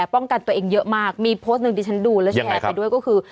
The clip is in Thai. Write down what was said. ป้องกันตัวเองเยอะมากมีโพสต์หนึ่งที่ฉันดูแล้วแชร์ไปด้วยก็คือ